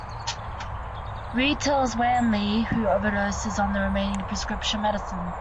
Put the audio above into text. Reed tells Wanley, who overdoses on the remaining prescription medicine.